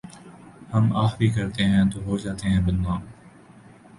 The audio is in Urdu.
ہم آہ بھی کرتے ہیں تو ہو جاتے ہیں بدنام